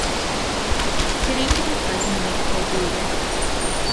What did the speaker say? Ceir un genhedlaeth yn unig bob blwyddyn.